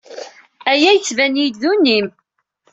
Aya yettban-iyi-d d unnim.